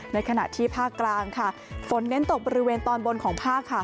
ในขณะที่ภาคกลางค่ะฝนเน้นตกบริเวณตอนบนของภาคค่ะ